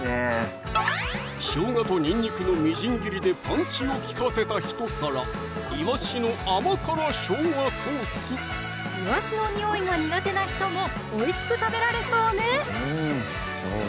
生姜とにんにくのみじん切りでパンチを利かせたひと皿いわしのにおいが苦手な人もおいしく食べられそうね